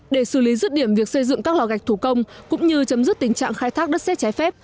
để xử lý rứt điểm việc xây dựng các lò gạch thủ công cũng như chấm dứt tình trạng khai thác đất xét trái phép